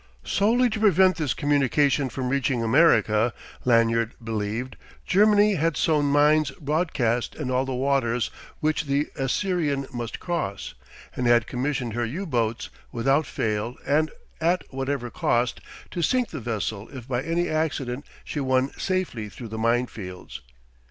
Solely to prevent this communication from reaching America, Lanyard believed, Germany had sown mines broadcast in all the waters which the Assyrian must cross, and had commissioned her U boats, without fail and at whatever cost, to sink the vessel if by any accident she won safely through the mine fields.